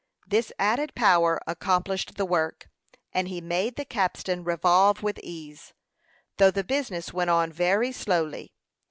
This added power accomplished the work; and he made the capstan revolve with ease, though the business went on very slowly.